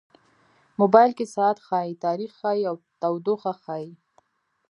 موبایل کې ساعت ښيي، تاریخ ښيي، او تودوخه ښيي.